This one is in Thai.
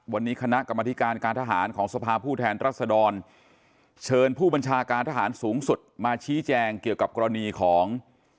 วันนี้คณะกรรมธิการการทหารของสภาผู้แทนรัศดรเชิญผู้บัญชาการทหารสูงสุดมาชี้แจงเกี่ยวกับกรณีของ